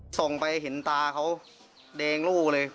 ส่งไปเห็นตาเขาแดงลู่เลย